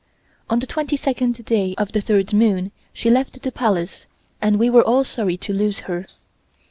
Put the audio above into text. On the twenty second day of the third moon she left the Palace, and we were all sorry to lose her.